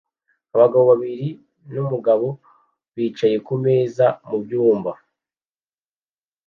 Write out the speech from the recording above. Abagore babiri numugabo bicaye kumeza mubyumba